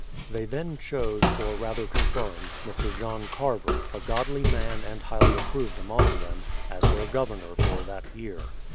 They then chose, or rather confirmed, Mr. John Carver, a godly man and highly approved among them, as their governor for that year.